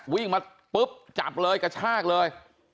วิ่งมาปุ๊บจับเลยกระชากเลย